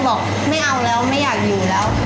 บอกไม่เอาแล้วไม่อยากอยู่แล้ว